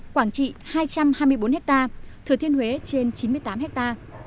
quảng trị hai trăm hai mươi bốn hecta thừa thiên huế trên chín mươi tám hecta